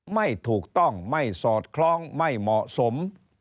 ไม่ถูกต้องไม่สอดคล้องไม่เหมาะสม